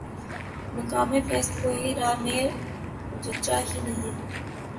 مقام فیضؔ کوئی راہ میں جچا ہی نہیں